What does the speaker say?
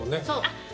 そう。